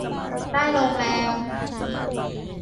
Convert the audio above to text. ได้โรงแรม